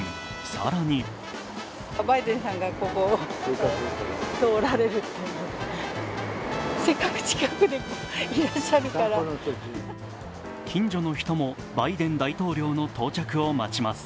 更に近所の人もバイデン大統領の到着を待ちます。